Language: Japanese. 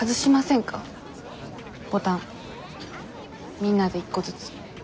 みんなで一個ずつ。